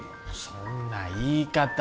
そんな言い方